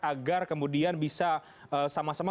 agar kemudian bisa sama sama